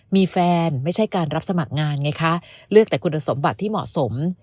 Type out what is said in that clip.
มีแฟนไม่ใช่การรับสมัครงานไงคะเลือกแต่คุณสมบัติที่เหมาะสม